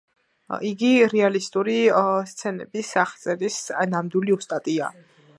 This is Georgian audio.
იგი რეალისტური სცენების აღწერის ნამდვილი ოსტატია.